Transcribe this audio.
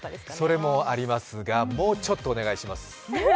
それもありますが、もうちょっとお願いします。